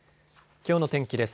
きょうの天気です。